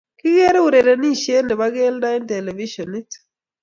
Kigigeer urerenishet nebo keldo eng telefishionit